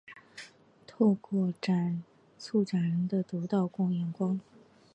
透过策展人的独到眼光